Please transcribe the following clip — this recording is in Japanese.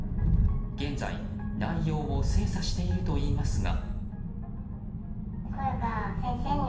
現在、内容を精査しているといいますが。